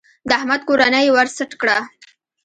د احمد کورنۍ يې ور سټ کړه.